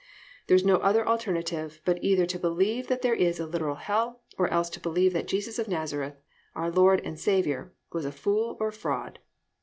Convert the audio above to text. There is no other alternative but either to believe that there is a literal hell or else to believe that Jesus of Nazareth, our Lord and Saviour, was a fool or a fraud.